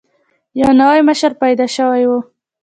یو نوی مشر پیدا شوی وو.